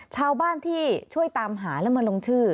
ชาวบ้านที่ช่วยตามหาและมาลงชื่อ